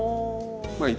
あ。